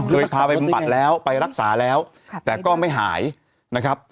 เคยพาไปปรับปรับละกสาแล้วแต่ก็ไม่หายนะครับ